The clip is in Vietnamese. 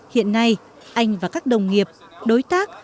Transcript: hiện nay anh và các đồng nghiệp đối tác